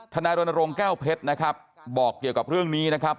นายรณรงค์แก้วเพชรนะครับบอกเกี่ยวกับเรื่องนี้นะครับ